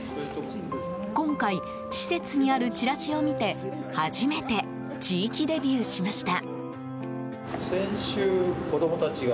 今回、施設にあるチラシを見て初めて地域デビューしました。